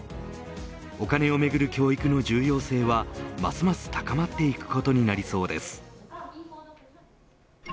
お金をめぐる教育の重要性はますます高まっていくことになりそうです。